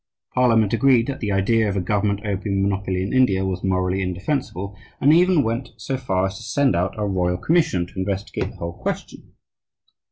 Parliament agreed that the idea of a government opium monopoly in India was "morally indefensible," and even went so far as to send out a "Royal Commission" to investigate the whole question.